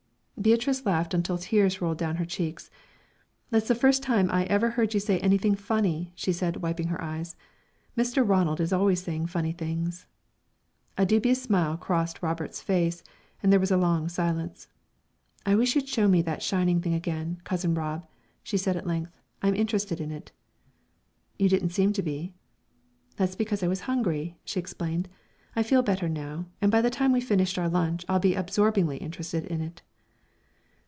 Beatrice laughed until the tears rolled down her cheeks. "That's the first time I ever heard you say anything funny," she said, wiping her eyes. "Mr. Ronald is always saying funny things." A dubious smile crossed Robert's face, and there was a long silence. "I wish you'd show me that shiny thing again, Cousin Rob," she said at length; "I'm interested in it." "You didn't seem to be." "That's because I was hungry," she explained. "I feel better now, and by the time we've finished our lunch I'll be absorbingly interested in it."